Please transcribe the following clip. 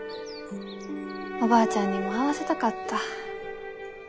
おばあちゃんにも会わせたかった。